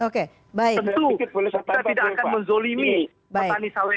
tentu kita tidak akan menzolimi petani sawit